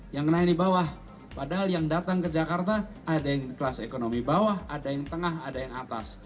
yang kena di bawah padahal yang datang ke jakarta ada yang kelas ekonomi bawah ada yang tengah ada yang atas